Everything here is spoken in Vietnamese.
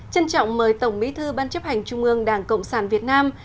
trân trọng mời tổng bí thư ban chấp hành trung ương đảng cộng sản việt nam